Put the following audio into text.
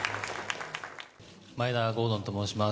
前田郷敦と申します。